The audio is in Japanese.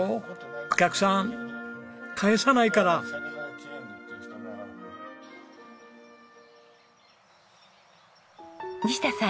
お客さん帰さないから。西田さん。